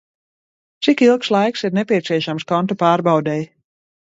Cik ilgs laiks ir nepieciešams konta pārbaudei?